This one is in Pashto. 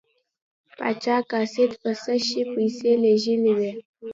پاچا قاصد په څه شي پسې لیږلی و.